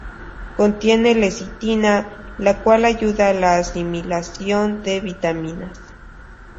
Contiene lecitina, la cual ayuda la asimilación de vitaminas.